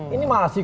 ini masih kok